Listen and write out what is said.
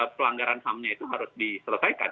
pelanggaran ham nya itu harus diselesaikan